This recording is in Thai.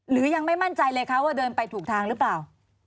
หรือยังไม่มั่นใจเลยคะว่าเดินไปถูกทางหรือเปล่า